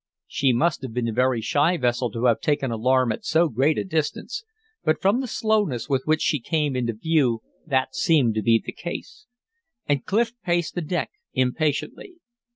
She must have been a very shy vessel to have taken alarm at so great a distance; but from the slowness with which she came into view that seemed to be the case. And Clif paced the deck impatiently.